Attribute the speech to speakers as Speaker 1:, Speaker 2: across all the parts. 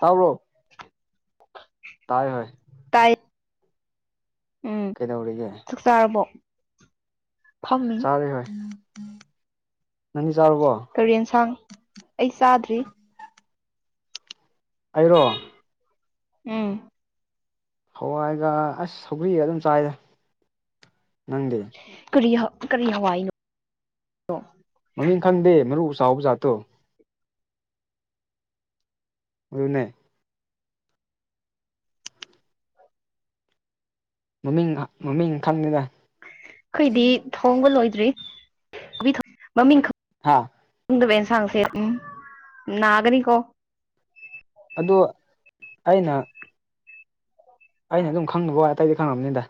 Speaker 1: ꯇꯥꯎꯔꯣ ꯇꯥꯏ ꯍ
Speaker 2: ꯇꯥꯏ ꯎꯝ
Speaker 1: ꯀꯩꯗꯧꯔꯤꯒ
Speaker 2: ꯆꯥꯛ ꯆꯥꯔꯕꯣ ꯐꯝꯃꯤ
Speaker 1: ꯆꯥꯔꯦ ꯍꯣꯏ ꯅꯪꯗꯤ ꯆꯥꯔꯕꯣ
Speaker 2: ꯀꯔꯦꯟ ꯁꯥꯡ ꯑꯩ ꯆꯥꯗ꯭ꯔꯤ
Speaker 1: ꯑꯩꯔꯣ
Speaker 2: ꯎꯝ
Speaker 1: ꯍꯋꯥꯏꯒ ꯑꯁ ꯁꯏꯑ ꯑꯗꯨꯝ ꯆꯥꯏꯗ ꯅꯪꯗꯤ
Speaker 2: ꯀꯔꯤ ꯀꯔꯤ ꯍꯋꯥꯏ
Speaker 1: ꯃꯃꯤꯡ ꯈꯪꯗꯦ ꯃꯔꯨ ꯁꯥꯎꯕꯖꯥꯠꯇꯣ ꯑꯗꯨꯅꯦ ꯃꯃꯤꯡ ꯃꯃꯤꯡ ꯈꯪꯗꯦꯅ
Speaker 2: ꯑꯩꯈꯣꯏꯗꯤ ꯊꯣꯡꯕ ꯂꯣꯏꯗ꯭ꯔꯤ ꯃꯃꯤꯡ
Speaker 1: ꯍꯥꯥ
Speaker 2: ꯗꯕꯅ ꯁꯁꯦ ꯎꯝ ꯅꯥꯒꯅꯤ ꯀꯣ
Speaker 1: ꯑꯗꯨ ꯑꯩꯅ ꯑꯩꯅ ꯑꯗꯨꯝ ꯈꯪꯗꯕ ꯋꯥ ꯑꯇꯩꯗꯤ ꯈꯪꯉꯕꯅꯤꯗ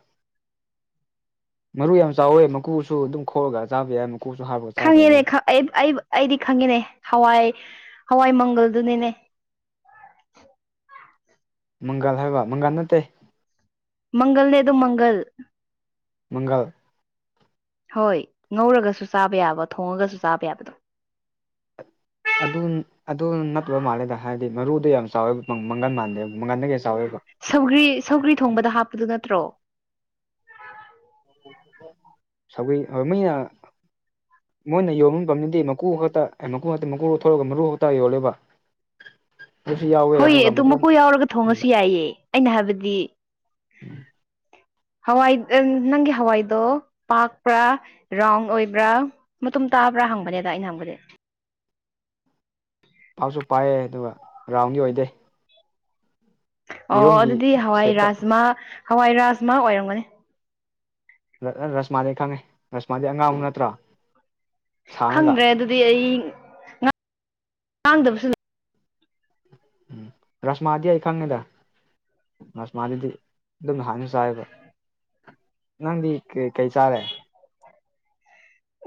Speaker 1: ꯃꯔꯨ ꯌꯥꯝ ꯆꯥꯎꯋꯦ ꯃꯀꯨꯁꯨ ꯑꯗꯨꯝ ꯈꯣꯑꯒ ꯆꯥꯕ ꯌꯥꯏ ꯃꯀꯨꯁꯨ ꯍꯥꯞꯄꯒ ꯆꯥꯕ
Speaker 2: ꯈꯪꯉꯦꯅꯦ
Speaker 1: ꯌꯥꯏ
Speaker 2: ꯑꯩꯗꯤ ꯈꯪꯉꯦꯅꯦ ꯍꯋꯥꯏ ꯍꯋꯥꯏ ꯃꯪꯒꯜꯗꯨꯅꯤꯅꯦ
Speaker 1: ꯃꯪꯒꯜ ꯍꯥꯏꯕ ꯃꯪꯒꯥꯜ ꯅꯠꯇꯦ
Speaker 2: ꯃꯪꯒꯜꯅꯦ ꯑꯗꯨ ꯃꯪꯒꯜ
Speaker 1: ꯃꯪꯒꯜ
Speaker 2: ꯍꯣꯏ ꯉꯧꯔꯒꯁꯨ ꯆꯥꯕ ꯌꯥꯕ ꯊꯣꯡꯉꯒꯁꯨ ꯆꯥꯕ ꯌꯥꯕꯗꯣ
Speaker 1: ꯑꯗꯨ ꯑꯗꯨ ꯅꯠꯇꯕ ꯃꯥꯜꯂꯦꯗ ꯍꯥꯏꯗꯤ ꯃꯔꯨꯗ ꯌꯥꯝ ꯆꯥꯎꯋꯦ ꯃꯪꯒꯟ ꯃꯥꯟꯗꯦ ꯃꯪꯒꯟꯗ ꯀꯩ
Speaker 2: ꯁꯧꯒ꯭ꯔꯤ ꯁꯧꯒ꯭ꯔꯤ ꯊꯣꯡꯕꯗ ꯍꯥꯞꯄꯗꯨ ꯅꯠꯇ꯭ꯔꯣ
Speaker 1: ꯁꯣꯏ ꯃꯅ ꯃꯣꯏꯅ ꯌꯣꯟꯕ ꯄꯝꯅꯤꯡꯗꯤ ꯃꯀꯨ ꯍꯇ ꯃꯀꯨ ꯍꯥꯛꯇ ꯃꯀꯨꯣꯊꯣꯔꯒ ꯃꯔꯨ ꯍꯞꯇꯥ ꯌꯣꯜꯂꯦꯕ [unintelligible] ꯌꯥꯎꯋꯦ
Speaker 2: ꯍꯣꯏꯌꯦ
Speaker 1: ꯑꯗꯨꯒ
Speaker 2: ꯑꯗꯨ ꯃꯀꯨ ꯌꯥꯎꯔꯒ
Speaker 1: ꯎꯝ
Speaker 2: ꯊꯣꯡꯉꯁꯨ ꯌꯥꯏꯌꯦ ꯑꯩꯅ ꯍꯥꯏꯕꯗꯤ ꯍꯋꯥꯏ ꯅꯪꯒꯤ ꯍꯋꯥꯏꯗꯣ ꯄꯥꯛꯄ꯭ꯔꯥ ꯔꯥꯎꯟ ꯑꯣꯏꯕ꯭ꯔꯥ ꯃꯇꯨꯡ ꯆꯥꯕ꯭ꯔꯥ ꯍꯪꯕꯅꯦꯗ ꯑꯩꯅ ꯍꯪꯕꯗꯤ
Speaker 1: ꯄꯥꯛꯞꯁꯨ ꯄꯥꯏꯑ ꯑꯗꯨꯒ ꯔꯥꯎꯟꯒꯤ ꯑꯣꯏꯗꯦ
Speaker 2: ꯑꯣ
Speaker 1: ꯌꯦꯔꯨꯝꯒꯤ
Speaker 2: ꯑꯗꯨꯗꯤ ꯍꯋꯥꯏ
Speaker 1: ꯁꯦꯞꯇ
Speaker 2: ꯔꯥꯖꯃ ꯍꯋꯥꯏ ꯔꯥꯖꯃ ꯑꯣꯏꯔꯝꯒꯅꯤ
Speaker 1: ꯔꯁꯃꯥꯗꯤꯩ ꯈꯪꯉꯦ ꯔꯁꯃꯥꯗꯤ ꯑꯉꯥꯡꯃꯨꯛ ꯅꯠꯇ꯭ꯔꯥ ꯁꯥꯡꯉꯒ
Speaker 2: ꯈꯪꯗ꯭ꯔꯦ ꯑꯗꯨꯗꯤ ꯑꯩ ꯉꯥꯡꯗꯕꯁꯨ
Speaker 1: ꯎꯝ ꯔꯁꯃꯥꯗꯤ ꯍꯥꯏ ꯑꯩ ꯈꯪꯉꯦꯗ ꯅꯁꯃꯥꯗꯤ ꯑꯗꯨꯝ ꯍꯥꯟꯅ ꯆꯥꯏꯕ ꯅꯗꯤ ꯀ ꯀꯩ ꯆꯥꯔꯦ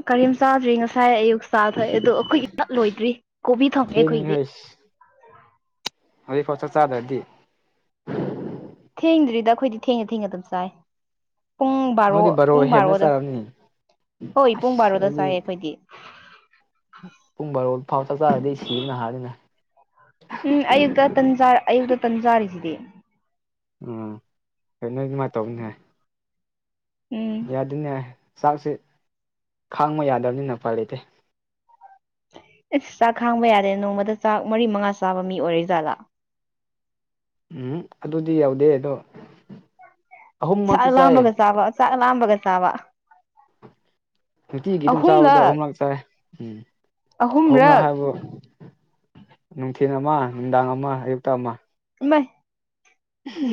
Speaker 2: ꯀꯔꯤꯝ ꯆꯥꯗ꯭ꯔꯤ ꯉꯁꯥꯏ ꯑꯌꯨꯛ ꯆꯥꯊꯑꯦ ꯑꯗꯣ ꯑꯩꯈꯣꯏꯒꯤ ꯆꯞ ꯂꯣꯏꯗ꯭ꯔꯤ ꯀꯣꯕꯤ ꯊꯪꯉꯦ ꯑꯩꯈꯣꯏꯒꯤꯗꯤ
Speaker 1: ꯎ ꯍꯧꯖꯤꯛꯐꯥꯎ ꯆꯥꯛ ꯆꯥꯗ꯭ꯔꯗꯤ
Speaker 2: ꯊꯦꯡꯗ꯭ꯔꯤꯗ ꯑꯩꯈꯣꯏꯗꯤ ꯊꯦꯡꯉ ꯊꯦꯡꯉ ꯑꯗꯨꯝ ꯆꯥꯏ ꯄꯨꯡ ꯕꯥꯔꯣ
Speaker 1: ꯅꯣꯏꯗꯤ
Speaker 2: ꯄꯨꯡ
Speaker 1: ꯍꯦꯟꯅ
Speaker 2: ꯕꯥꯔꯣꯗ
Speaker 1: ꯆꯥꯔꯝꯅꯤ
Speaker 2: ꯍꯣꯏ ꯄꯨꯡ
Speaker 1: ꯑꯁ
Speaker 2: ꯕꯥꯔꯣꯗ
Speaker 1: ꯑꯩꯗꯤ
Speaker 2: ꯆꯥꯏ ꯑꯩꯈꯣꯏꯗꯤ
Speaker 1: ꯐꯥꯎꯇ ꯊꯔꯗꯤ ꯁꯤꯅ ꯍꯥꯔꯅꯦ
Speaker 2: ꯎꯝ ꯑꯌꯨꯛꯇꯟꯖ ꯑꯌꯨꯛꯇ ꯇꯟꯖꯥꯔꯤꯁꯤꯗꯤ
Speaker 1: ꯎꯝ ꯍꯣꯏ ꯅꯣꯏ ꯑꯗꯨꯃꯥꯏꯅ ꯇꯧꯅꯦ
Speaker 2: ꯎꯝ
Speaker 1: ꯌꯥꯗꯅꯦ ꯆꯥꯛꯁꯦ ꯈꯥꯡꯕ ꯌꯥꯗꯕꯅꯤꯅ ꯐ ꯂꯩꯇꯦ
Speaker 2: ꯑꯩꯁ ꯆꯥꯛ ꯈꯥꯡꯕ ꯌꯥꯗꯦ ꯅꯣꯡꯃꯗ ꯆꯥꯛ ꯃꯔꯤ ꯃꯉꯥ ꯆꯥꯕ ꯃꯤ ꯑꯣꯏꯔꯦ ꯖꯥꯠꯂꯥ
Speaker 1: ꯎꯝ ꯑꯗꯨꯗꯤ ꯌꯥꯎꯗꯦ ꯑꯗꯣ
Speaker 2: ꯆ
Speaker 1: ꯑꯍꯨꯝꯃꯛꯇꯤ ꯆꯥꯏꯌꯦ
Speaker 2: ꯂꯥꯝꯕꯒ ꯆꯥꯕ ꯆ ꯂꯥꯝꯕꯒ ꯆꯕ
Speaker 1: ꯅꯨꯡꯇꯤꯒꯤ ꯑꯗꯨꯝ ꯆꯥꯕꯗꯣ ꯑꯍꯨꯝꯂꯛ ꯆꯥꯏꯦ ꯎꯝ ꯑꯍꯨꯝ꯭ꯔꯥ
Speaker 2: ꯑꯍꯨꯝꯔꯛ
Speaker 1: ꯍꯥꯏꯕꯨ ꯅꯨꯡꯊꯤꯜ ꯑꯃ ꯅꯨꯡꯗꯥꯡ ꯑꯃ ꯑꯌꯨꯛꯇ ꯑꯃ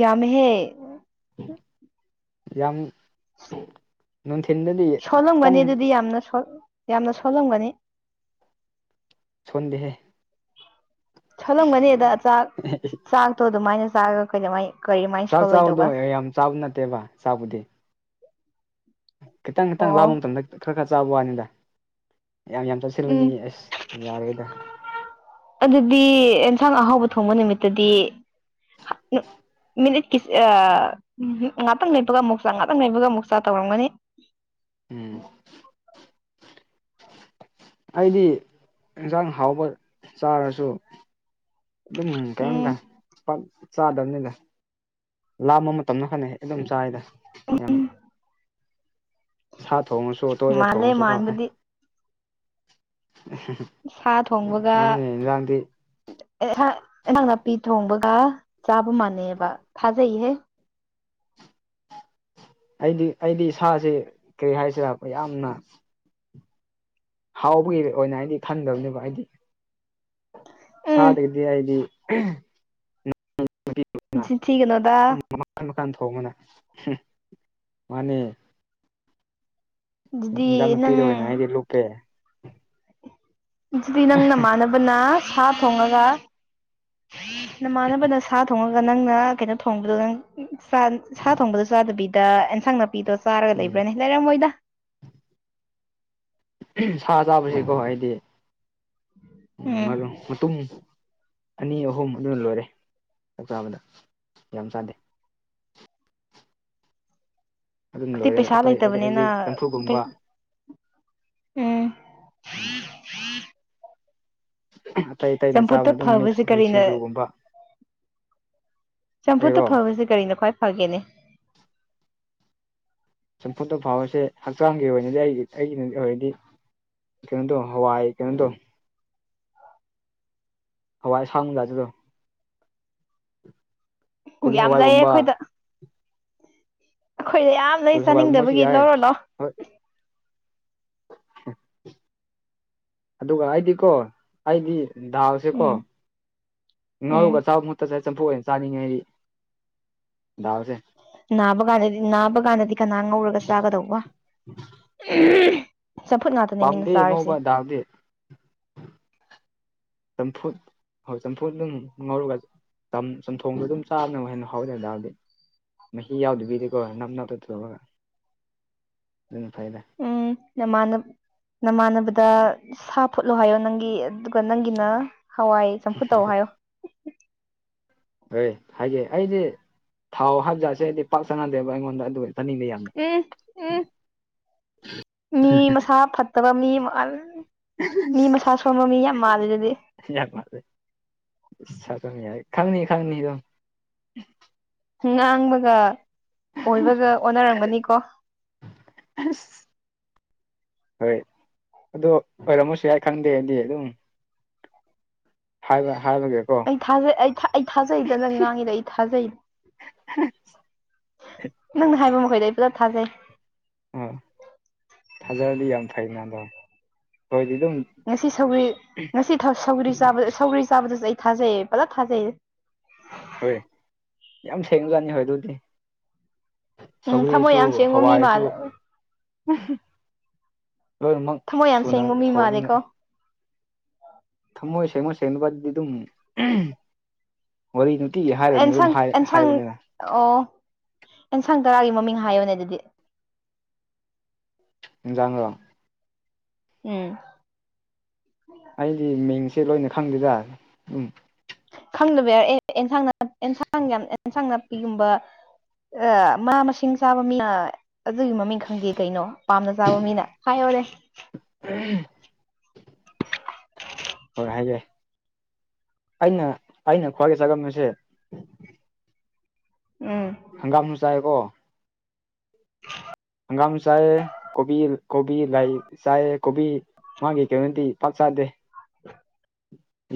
Speaker 2: ꯌꯥꯃꯦꯍꯦ
Speaker 1: ꯌꯥꯝ ꯅꯨꯡꯊꯤꯟꯗꯗꯤ
Speaker 2: ꯁꯣꯜꯂꯝꯒꯅꯤ
Speaker 1: ꯈꯤꯇꯪ
Speaker 2: ꯑꯗꯨꯗꯤ ꯌꯥꯝꯅ ꯌꯥꯝꯅ ꯁꯣꯜꯂꯝꯒꯅꯤ
Speaker 1: ꯀꯗꯦ ꯍꯥꯏꯦ
Speaker 2: ꯊꯣꯂꯝꯒꯅꯤ ꯑꯗ ꯆꯥꯛ ꯆꯥꯛꯇꯣ ꯑꯗꯨꯃꯥꯏꯅ ꯆꯥꯛꯒ ꯀꯩꯅꯃꯥꯏ
Speaker 1: ꯆ ꯆꯥꯕꯗꯣ ꯌꯥꯝ ꯆꯥꯕ ꯅꯠꯇꯦꯚ ꯆꯥꯕꯗꯤ ꯈꯤꯇꯪ ꯈꯤꯇꯪ
Speaker 2: ꯑꯣ
Speaker 1: ꯂꯥꯕ ꯃꯇꯝꯗ ꯈꯔ ꯈꯔ ꯆꯥꯕ ꯋꯥꯅꯤꯗ ꯌꯥꯝ ꯌꯥꯝ ꯆꯠꯁꯤꯜꯂꯔꯕꯅꯤ
Speaker 2: ꯎꯝ
Speaker 1: ꯑꯁ ꯌꯥꯔꯒꯦꯗ
Speaker 2: ꯑꯗꯨꯗꯤ ꯑꯦꯟꯁꯥꯡ ꯑꯍꯥꯎꯕ ꯊꯣꯡꯕ ꯅꯨꯃꯤꯠꯇꯗꯤ ꯃꯤꯅꯤꯠꯀꯤ ꯉꯥꯛꯇꯪ ꯂꯩꯕꯒ ꯑꯃꯨꯛ ꯆ ꯉꯥꯛꯇꯪ ꯂꯩꯕꯒ ꯑꯃꯨꯛ ꯆꯥ ꯇꯧꯔꯝꯒꯅꯤ
Speaker 1: ꯎꯝ ꯑꯩꯗꯤ ꯏꯟꯁꯥꯡ ꯍꯥꯎꯕ ꯆꯥꯔꯁꯨ ꯑꯗꯨ
Speaker 2: ꯎꯝ
Speaker 1: ꯀꯗ ꯆꯥꯗꯕꯅꯤꯗ ꯂꯥꯝꯕ ꯃꯇꯝꯅ ꯐꯅꯩ ꯍꯦꯛ ꯑꯗꯨꯝ ꯆꯥꯏꯗ ꯑꯌꯥꯝꯕ ꯁꯥ ꯊꯣꯡꯉꯁꯨ ꯑꯇꯣꯏꯗ
Speaker 2: ꯃꯥꯜꯂꯦ
Speaker 1: ꯊꯣꯡꯉꯁꯨ ꯀꯧꯥꯏ
Speaker 2: ꯃꯥꯟꯕꯗꯤ ꯁꯥ ꯊꯣꯡꯕꯒ
Speaker 1: ꯃꯥꯅꯦ ꯏꯟꯖꯥꯡꯗꯤ
Speaker 2: ꯅꯟꯁꯥꯡ ꯅꯥꯄꯤ ꯊꯣꯡꯕꯒ ꯆꯥꯕ ꯃꯥꯟꯅꯩꯕ ꯊꯥꯖꯩꯍꯦ
Speaker 1: ꯑꯩꯗꯤ ꯑꯩꯗꯤ ꯏꯁꯁꯤ ꯀꯔꯤ ꯍꯥꯏꯁꯤꯔ ꯌꯥꯝꯅ ꯍꯥꯎꯕꯒꯤ ꯑꯣꯏꯅ ꯑꯩꯗꯤ ꯈꯟꯗꯕꯅꯦꯕ ꯑꯩꯗꯤ
Speaker 2: ꯎꯝ
Speaker 1: ꯁꯥꯥ ꯇꯗꯤꯗꯤ
Speaker 2: ꯅꯆꯤꯟ ꯊꯤꯒꯅꯣꯗ
Speaker 1: ꯃꯥꯟ ꯃꯀꯥꯟ ꯊꯣꯡꯕꯅ ꯃꯅꯦ ꯏꯟꯖꯥ
Speaker 2: ꯑꯗꯨꯗꯤ ꯅꯪ
Speaker 1: ꯅꯨꯄꯤꯗ ꯑꯣꯏꯅ ꯑꯩꯗꯤ ꯂꯨꯞꯄꯦ
Speaker 2: ꯑꯗꯨꯗꯤ ꯅꯪ ꯅꯃꯥꯟꯅꯕꯅ ꯁꯥ ꯊꯣꯡꯉꯒ ꯅꯃꯥꯟꯅꯕꯅ ꯁꯥ ꯊꯣꯡꯉꯒ ꯅꯪꯅ ꯀꯩꯅꯣ ꯊꯣꯡꯕꯗꯣ ꯅꯪ ꯁꯥ ꯊꯣꯡꯕꯗꯁꯨ ꯆꯥꯗꯕꯤꯗ ꯑꯦꯟꯁꯥꯡꯅ ꯅꯨꯄꯤꯗꯣ ꯆꯥꯔꯒ
Speaker 1: ꯎꯝ
Speaker 2: ꯂꯩꯕ꯭ꯔꯅꯤ ꯂꯩꯔꯝꯃꯣꯏꯗ
Speaker 1: ꯁꯥ ꯆꯥꯕꯁꯤꯀꯣ ꯍꯥꯏꯗꯤ ꯎꯝ ꯃꯇꯨꯡ ꯑꯅꯤ ꯑꯍꯨꯝ ꯑꯗꯨꯅ ꯂꯣꯏꯔꯦ ꯆꯥꯛ ꯆꯥꯕꯗ ꯌꯥꯝ ꯆꯥꯗꯦ ꯑꯗꯨꯝ
Speaker 2: ꯑꯩꯈꯣꯏꯗꯤ
Speaker 1: ꯂꯣꯏꯔꯦ
Speaker 2: ꯄꯩꯁꯥ
Speaker 1: ꯑꯇꯩ
Speaker 2: ꯂꯩꯇꯕꯅꯤꯅ
Speaker 1: ꯑꯇꯩꯖꯤꯛ ꯆꯝꯐꯨꯒꯨꯝꯕ
Speaker 2: ꯎꯝ
Speaker 1: ꯎꯝ ꯑꯇꯩ ꯑꯇꯩꯅ
Speaker 2: ꯆꯝꯐꯨꯠꯇ
Speaker 1: ꯆꯥꯕꯅ ꯑꯗꯨꯝ
Speaker 2: ꯐꯕꯁꯦ
Speaker 1: ꯃꯤꯛꯁ
Speaker 2: ꯀꯔꯤꯅ
Speaker 1: ꯁꯤꯡꯖꯨꯒꯨꯝꯕ
Speaker 2: ꯆꯝꯐꯨꯠꯇ
Speaker 1: ꯑꯩꯔꯣ
Speaker 2: ꯐꯕꯁꯦ ꯀꯔꯤꯅꯣ ꯈ꯭ꯋꯥꯏ ꯐꯒꯦꯅꯦ
Speaker 1: ꯆꯝꯐꯨꯠꯇ ꯐꯥꯎꯕꯁꯦ ꯍꯛꯆꯥꯡꯒꯤ ꯑꯣꯏꯅꯗꯤ ꯑꯩꯒꯤ ꯑꯩꯒꯤ ꯑꯣꯏꯔꯗꯤ ꯀꯩꯅꯣ ꯗꯣ ꯍꯋꯥꯏ ꯀꯩꯅꯣꯗꯣ ꯍꯋꯥꯏ ꯁꯥꯡ ꯂ ꯑꯗꯨꯦꯗ ꯀꯣꯂꯤ
Speaker 2: ꯌꯥꯝ ꯂꯩꯌꯦ
Speaker 1: ꯍꯋꯥꯏꯒꯨꯝꯕ
Speaker 2: ꯑꯩꯈꯣꯏꯗ ꯑꯩꯈꯣꯏꯗ ꯑꯌꯥꯝ ꯂꯩ
Speaker 1: ꯀꯣꯂꯤ ꯍꯋꯥꯏꯒꯨꯝꯕꯁꯨ
Speaker 2: ꯆꯥꯅꯤꯡꯗꯕꯒꯤ
Speaker 1: ꯌꯥꯏ
Speaker 2: ꯂꯧꯔꯣ
Speaker 1: ꯍꯣꯏ
Speaker 2: ꯂꯥꯛꯑꯣ
Speaker 1: [unintelligible] ꯑꯗꯨꯒ ꯑꯩꯗꯤꯀꯣ ꯑꯩꯗꯤ ꯗꯥꯜ ꯁꯦ ꯀꯣ
Speaker 2: ꯎꯝ ꯎꯝ
Speaker 1: ꯅꯔꯨꯒ ꯆꯕ ꯃꯣ ꯇ ꯆ ꯆꯝꯐꯨ ꯑꯣꯏꯅ ꯆꯥꯅꯤꯡꯉꯩꯗꯤ
Speaker 2: ꯅꯥꯕꯥ ꯀꯥꯟꯗꯗꯤ ꯅꯥꯕꯥ ꯀꯥꯟꯗꯗꯤ ꯀꯅꯥ ꯉꯧꯔꯒ ꯆꯥꯒꯗꯧꯕ ꯆꯝꯐꯨꯠ ꯉꯥꯛꯇꯅꯦ ꯃꯤꯅ
Speaker 1: ꯄꯥꯝꯗꯦ
Speaker 2: ꯆꯥꯔꯤꯁꯦ
Speaker 1: ꯉꯧꯕ ꯗꯥꯜꯗꯤ ꯇꯝꯐ ꯍꯣꯏ ꯆꯝꯐꯨꯠ ꯑꯗꯨꯝ ꯉꯧꯔꯒ ꯆꯝꯊꯣꯡꯗꯣ ꯑꯗꯨꯝ ꯆꯥꯕꯅ ꯍꯦꯟꯅ ꯍꯥꯎꯗ ꯗꯥꯜ ꯗꯤ ꯃꯍꯤ ꯌꯥꯎꯗꯕꯤꯗꯤꯀꯣ ꯅꯞꯅꯞꯗꯊꯔꯒ
Speaker 2: ꯎꯝ ꯌꯥꯝ ꯃꯅꯥꯕ ꯅꯃꯥꯟꯅꯕꯗ ꯁꯥ ꯐꯨꯠꯂꯣ ꯍꯥꯏꯌꯣ ꯅꯪꯒꯤ ꯑꯗꯨꯒ ꯅꯪꯒꯤꯅ ꯍꯋꯥꯏ ꯆꯝꯐꯨ ꯇꯧ ꯍꯥꯏꯌꯣ
Speaker 1: ꯍꯣꯏ ꯍꯥꯏꯒꯦ ꯑꯩꯗꯤ ꯊꯥꯎ ꯍꯞꯖꯥꯠꯁꯦ ꯑꯩꯗꯤ ꯄꯥꯛ ꯆꯅꯗꯦꯕ ꯑꯩꯉꯣꯟꯗ ꯑꯗꯨ ꯇꯅꯤꯡꯉ ꯌꯥꯝꯅ
Speaker 2: ꯎꯝ ꯎꯝ ꯃꯤ ꯃꯁꯥ ꯐꯠꯇꯕ ꯃꯤ ꯑꯃ ꯃꯤ ꯃꯁꯖ ꯐꯝꯕ ꯃꯤ ꯌꯥꯝ ꯃꯥꯗ ꯑꯗꯨꯗꯤ
Speaker 1: ꯅꯤ ꯌꯥ ꯈꯪꯅꯤ ꯈꯪꯅꯤꯗ
Speaker 2: ꯉꯥꯡꯕꯒ ꯑꯣꯏꯕꯒ ꯑꯣꯅꯔꯝꯒꯅꯤꯀꯣ
Speaker 1: ꯑꯁ ꯍꯣꯏ ꯑꯣ ꯑꯣꯏꯔꯝꯃꯁꯨ ꯌꯥ ꯈꯪꯗꯦꯗꯤ ꯑꯗꯨꯝ ꯐꯕ
Speaker 2: ꯑꯩ ꯊꯥꯖꯩ ꯑꯩ ꯑꯩ ꯊꯥꯖꯩꯗ ꯅꯪ ꯉꯥꯡꯉꯤꯗ ꯑꯩ ꯊꯥꯖꯩꯗ
Speaker 1: ꯑ
Speaker 2: ꯅꯪꯅ ꯍꯥꯏꯕ ꯃꯈꯣꯏꯗ ꯑꯩ ꯄꯨꯂꯞ ꯊꯥꯖꯩ
Speaker 1: ꯎꯝ ꯊꯥꯖꯔꯗꯤ ꯌꯥꯝ ꯐꯩ ꯅ ꯗꯣ ꯍꯣꯏꯗꯤ ꯑꯗꯨꯝ
Speaker 2: ꯉꯁꯤ ꯁꯧꯔꯤ ꯉꯁꯤ ꯁꯧꯒꯔꯤ ꯁꯧꯒꯔꯤ ꯆꯥꯕꯗꯁꯨ ꯑꯩ ꯊꯖꯩ ꯄꯖ ꯊꯥꯖꯩ
Speaker 1: ꯍꯣꯏ ꯌꯥꯝ ꯊꯦꯡꯅꯖꯥꯠꯅꯤ ꯍꯣꯏ ꯑꯗꯨꯗꯤ
Speaker 2: ꯎꯝ ꯊꯃꯣꯏ
Speaker 1: ꯁꯧꯒꯔꯤꯁꯨ
Speaker 2: ꯌꯥꯝ ꯁꯦꯡꯕ ꯃꯤ
Speaker 1: ꯍꯋꯥꯏꯁꯨ
Speaker 2: ꯃꯥꯜꯂꯦ
Speaker 1: ꯂꯣꯏꯅꯃꯛ
Speaker 2: ꯊꯃꯣꯏ ꯌꯥꯝ
Speaker 1: ꯁꯨꯅ
Speaker 2: ꯁꯦꯡꯕ ꯃꯤ
Speaker 1: ꯊꯧꯕꯅꯤꯅ
Speaker 2: ꯃꯥꯜꯂꯦꯀꯣ
Speaker 1: ꯊꯃꯣꯏ ꯁꯦꯃꯣꯏ ꯁꯩꯅꯕꯕꯤꯗꯨ ꯋꯥꯔꯤ ꯅꯨꯡꯇꯤꯒꯤ ꯍꯥꯏꯔꯅꯤ ꯑꯗꯨꯝ
Speaker 2: ꯑꯦꯟꯁꯥꯡ ꯑꯦꯟꯁꯥꯡ
Speaker 1: ꯍꯥꯏꯕꯅꯤꯅ
Speaker 2: ꯑꯣ ꯑꯦꯟꯁꯥꯡ ꯇꯔꯥꯒꯤ ꯃꯃꯤꯡ ꯍꯥꯏꯌꯣꯅꯦ ꯑꯗꯨꯗꯤ
Speaker 1: ꯖꯥꯡꯉꯣ
Speaker 2: ꯎꯝ
Speaker 1: ꯑꯩꯗꯤ ꯃꯤꯡꯁꯦ ꯂꯣꯏꯅ ꯈꯪꯗꯦꯗ ꯎꯝ
Speaker 2: ꯈꯪꯗꯕ ꯌꯥꯔꯦ ꯑꯦꯟꯁꯥꯡ ꯑꯦꯟꯁꯥꯡ ꯌꯥꯝ ꯑꯦꯟꯁꯥꯡ ꯅꯥꯄꯤꯒꯨꯝꯕ ꯑ ꯃꯥ ꯃꯁꯤꯡ ꯆꯥꯕ ꯃꯤꯅ ꯑꯗꯨꯒꯤ ꯃꯃꯤꯡ ꯈꯪꯗꯦ ꯀꯩꯅꯣ ꯄꯥꯝꯅ ꯆꯥꯕ ꯃꯤꯅ ꯍꯥꯏꯌꯣꯔꯦ
Speaker 1: ꯎꯝ ꯍꯣꯏ ꯍꯥꯏꯒꯦ ꯑꯩꯅ ꯑꯩꯅ ꯈ꯭ꯋꯥꯏꯒꯤ ꯆꯥꯉꯝꯃꯤꯁꯦ
Speaker 2: ꯎꯝ
Speaker 1: ꯍꯪꯒꯥꯝꯁꯨ ꯆꯥꯦꯀꯣ ꯍꯪꯒꯥꯝ ꯆꯥꯏ ꯀꯣꯕꯤ ꯀꯣꯕꯤ ꯂꯥꯏ ꯆꯥꯏ ꯀꯣꯕꯤ ꯃꯥꯒꯤ ꯀꯩꯅꯣꯗꯤ ꯄꯥꯛꯁꯗꯦ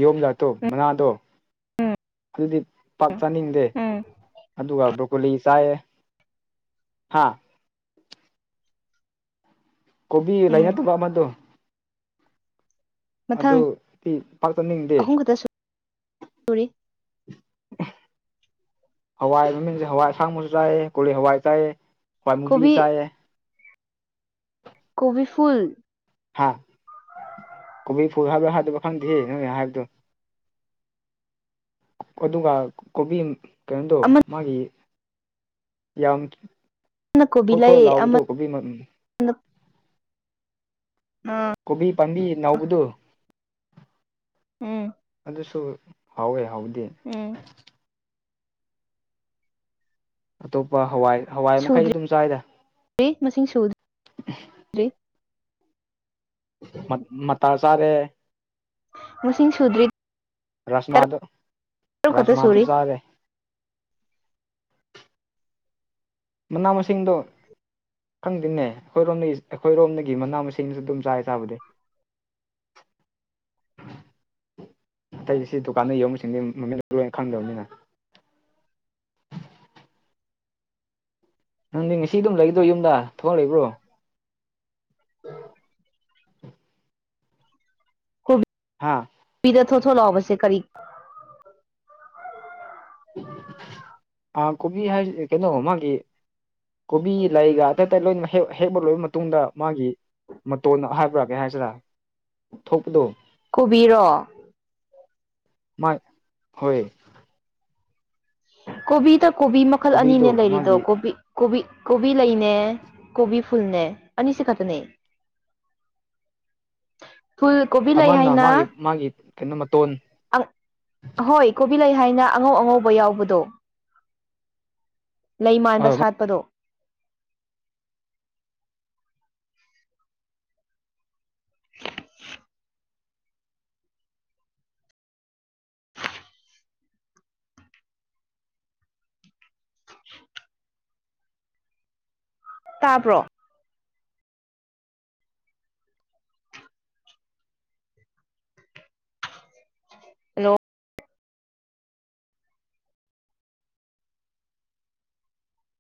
Speaker 1: ꯌꯣꯝꯗꯥꯛꯇꯣ ꯃꯅꯥꯗꯣ
Speaker 2: ꯎꯝ
Speaker 1: ꯑꯗꯨꯗꯤ ꯄꯥꯛ ꯆꯥꯅꯤꯡꯗꯦ
Speaker 2: ꯎꯝ
Speaker 1: ꯑꯗꯨꯒ ꯕ꯭ꯔꯣꯀꯣꯂꯤ ꯆꯥꯏꯌꯦ ꯍꯥꯥ ꯀꯣꯕꯤ
Speaker 2: ꯎꯝ
Speaker 1: ꯂꯩꯅꯗꯕ ꯑꯃꯗꯣ
Speaker 2: ꯃꯊꯪ
Speaker 1: ꯑꯗꯨꯗꯤ ꯄꯥꯛ ꯆꯅꯤꯡꯗꯦ
Speaker 2: ꯁꯣꯔꯤ
Speaker 1: ꯍꯋꯥꯏ ꯃꯃꯤꯡꯁꯦ ꯍꯋꯥꯏ ꯑꯁꯥꯡꯕꯁꯨ ꯆꯥꯏ ꯀꯣ ꯍꯋꯥꯏ ꯆꯥꯏ ꯍꯣꯏ ꯃꯨꯕꯤ
Speaker 2: ꯀꯣꯕꯤ
Speaker 1: ꯆꯥꯏꯌꯦ
Speaker 2: ꯀꯣꯕꯤ ꯐꯨꯜ
Speaker 1: ꯍꯥ ꯀꯣꯕꯤ ꯐꯨꯜ ꯍꯥꯏꯕ꯭ꯔꯥ ꯍꯥꯏꯗꯕ ꯈꯪꯗꯦꯍꯦ ꯅꯣꯏꯅ ꯍꯥꯏꯕꯗꯣ ꯑꯗꯨꯒ ꯀꯣꯕꯤ ꯀꯩꯅꯣꯗꯣ
Speaker 2: ꯑꯃꯅ
Speaker 1: ꯃꯥꯒꯤ ꯌꯥꯝ
Speaker 2: ꯀꯣꯕꯤ
Speaker 1: ꯊꯣꯠ ꯊꯣꯠ
Speaker 2: ꯂꯩ
Speaker 1: ꯂꯥꯎꯕꯗꯣ
Speaker 2: ꯑꯃꯅ
Speaker 1: ꯀꯣꯕꯤ ꯀꯣꯕꯤ ꯄꯥꯝꯕꯤ ꯅꯥꯎꯕꯗꯨ
Speaker 2: ꯎꯝ
Speaker 1: ꯑꯗꯨꯁꯨ ꯍꯥꯎꯋꯦ ꯍꯥꯎꯗꯤ
Speaker 2: ꯎꯝ
Speaker 1: ꯑꯇꯣꯞꯄ ꯍꯋꯥꯏ ꯍꯋꯥꯏ ꯃꯈꯩꯗꯤ
Speaker 2: ꯁꯨꯗ꯭ꯔꯤ
Speaker 1: ꯑꯗꯨꯝ ꯆꯥꯏꯗ
Speaker 2: ꯃꯁꯤꯡ ꯁꯨꯗ꯭ꯔꯤ
Speaker 1: ꯃꯇꯥꯁꯥꯔꯦ
Speaker 2: ꯃꯁꯤꯡ ꯁꯨꯗ꯭ꯔꯤ
Speaker 1: ꯔꯁꯃꯗꯨ
Speaker 2: ꯇꯔꯨꯛ ꯈꯛꯇ
Speaker 1: ꯔꯁꯃꯗꯨ
Speaker 2: ꯁꯨꯔꯤ
Speaker 1: ꯆꯔꯦ ꯃꯅꯥ ꯃꯁꯤꯡꯗꯣ ꯈꯪꯗꯦꯅꯦ ꯑꯩꯈꯣꯏꯔꯣꯝ ꯑꯩꯈꯣꯏꯔꯣꯝꯗꯒꯤ ꯃꯅꯥ ꯃꯁꯤꯡꯁꯨ ꯑꯗꯨꯝ ꯆꯥꯏ ꯆꯥꯕꯗꯤ [unintelligible] ꯑꯇꯩꯗꯤ ꯁꯤ ꯗꯨꯀꯥꯟꯗ ꯌꯧꯕꯁꯤꯡꯗꯤ ꯃꯃꯤꯠ ꯑꯗꯨꯣꯏꯅ ꯈꯪꯗꯕꯅꯤꯅ [unintelligible] ꯅꯪꯗꯤ ꯉꯁꯤ ꯑꯗꯨꯝ ꯂꯩꯒꯗ꯭ꯔꯣ ꯌꯨꯝꯗ ꯊꯣꯛꯍꯛꯏꯕ꯭ꯔꯣ [unintelligible] ꯍꯥꯥ
Speaker 2: ꯊꯣꯠ ꯊꯣꯠ ꯂꯥꯎꯕꯁꯦ ꯀꯔꯤ
Speaker 1: ꯀꯣꯕꯤ ꯍꯥꯏ ꯀꯩꯅꯣ ꯃꯥꯒꯤ ꯀꯣꯕꯤ ꯂꯩꯒ ꯑꯇꯩ ꯑꯇꯩ ꯂꯣꯏꯅꯃꯛꯦꯛ ꯍꯦꯛꯄ ꯂꯣꯏꯕ ꯃꯇꯨꯡꯗ ꯃꯥꯒꯤ ꯃꯇꯣꯟ ꯍꯥꯏꯕ꯭ꯔꯥ ꯀꯩ ꯍꯥꯏ ꯔ ꯊꯣꯛꯄꯗꯣ
Speaker 2: ꯀꯣꯕꯤꯔꯣ
Speaker 1: ꯃꯥ ꯍꯣꯏ
Speaker 2: ꯀꯣꯕꯤꯗ ꯀꯣꯕꯤ ꯃꯈꯜ ꯑꯅꯤꯅꯦ
Speaker 1: ꯀꯣꯕꯤꯗꯣ
Speaker 2: ꯂꯩꯔꯤꯗꯣ
Speaker 1: ꯃꯥꯒꯤ
Speaker 2: ꯀꯣꯕꯤ ꯀꯣꯕꯤ ꯀꯣꯕꯤ ꯂꯩꯅꯦ ꯀꯣꯕꯤ ꯐꯨꯜꯅꯦ ꯑꯅꯤꯁ ꯈꯛꯇꯅꯦ
Speaker 1: [unintelligible]
Speaker 2: ꯐꯨꯜ ꯀꯣꯕꯤ ꯂꯩ
Speaker 1: ꯑꯃꯅ
Speaker 2: ꯍꯥꯏꯅ
Speaker 1: ꯃꯥꯒꯤ ꯃꯥꯒꯤ ꯀꯩꯅꯣ ꯃꯇꯣꯟ
Speaker 2: ꯍꯣꯏ ꯀꯣꯕꯤ ꯂꯩ ꯍꯥꯏꯅ ꯑꯉꯧ ꯑꯉꯧꯕ ꯌꯥꯎꯕꯗꯣ ꯂꯩ ꯃꯥꯟꯕ ꯁꯥꯠꯄꯗꯣ ꯇꯥꯕ꯭ꯔꯣ ꯍꯜꯂꯣ